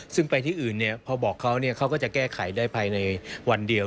ซึ่งไปที่อื่นพอบอกเขาเขาก็จะแก้ไขได้ภายในวันเดียว